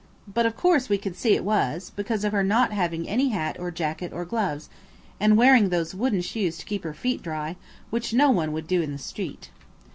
But, of course, we could see it was, because of her not having any hat or jacket or gloves, and wearing those wooden shoes to keep her feet dry, which no one would do in the street.